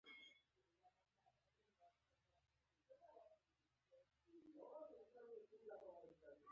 جميلې وويل:: ډېر ښه. همدغه چل ته نور هم ادامه ورکړه.